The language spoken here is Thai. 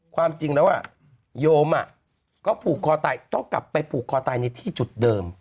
ความจริงแล้วโยมก็ผูกคอตายต้องกลับไปผูกคอตายในที่จุดเดิม